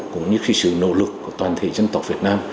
cũng như sự nỗ lực của toàn thể dân tộc việt nam